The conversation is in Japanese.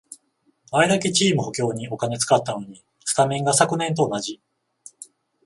あれだけチーム補強にお金使ったのに、スタメンが昨年と同じ